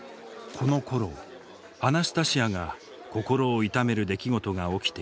このころアナスタシヤが心を痛める出来事が起きていた。